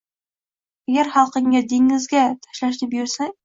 Agar xalqingga, dengizga tashlashni buyursang